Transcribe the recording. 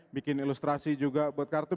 bikin ilustrasi juga buat kartu